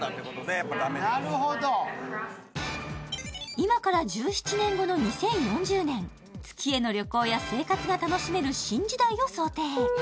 今から１７年後の２０４０年、月への旅行や生活が楽しめる新時代を想定。